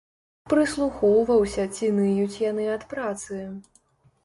Прыслухоўваўся, ці ныюць яны ад працы.